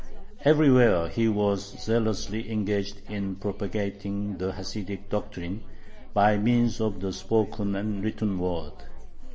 Everywhere he was zealously engaged in propagating the Hasidic doctrine by means of the spoken and written word.